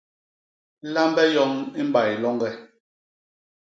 Lambe yoñ i mbay loñge!